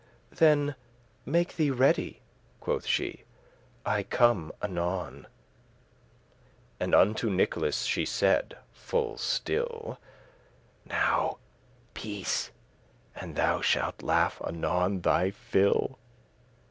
"Then make thee ready," quoth she, "I come anon." [And unto Nicholas she said *full still*: *in a low voice* "Now peace, and thou shalt laugh anon thy fill."